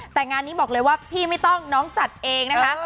แต่งานนี้บอกเลยว่าพี่ไม่ต้องน้องจัดเองนะคะ